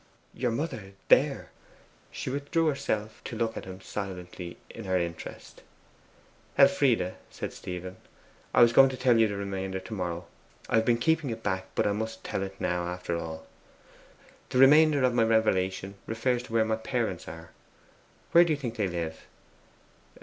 'Your mother THERE!' She withdrew herself to look at him silently in her interest. 'Elfride,' said Stephen, 'I was going to tell you the remainder to morrow I have been keeping it back I must tell it now, after all. The remainder of my revelation refers to where my parents are. Where do you think they live?